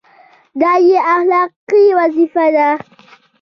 دا یې اخلاقي وظیفه ده.